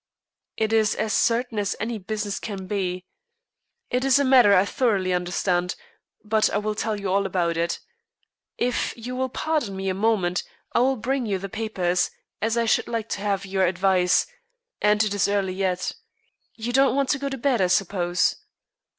"It is as certain as any business can be. It is a matter I thoroughly understand, but I will tell you all about it. If you will pardon me a moment I will bring you the papers, as I should like to have your advice, and it is early yet. You don't want to go to bed, I suppose?"